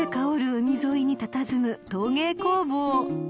海沿いにたたずむ陶芸工房］